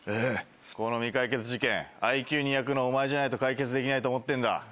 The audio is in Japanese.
この未解決事件ＩＱ２００のお前じゃないと解決できないと思ってんだ。